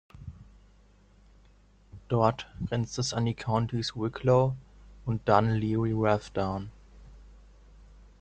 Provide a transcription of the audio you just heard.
Dort grenzt es an die Countys Wicklow und Dún Laoghaire-Rathdown.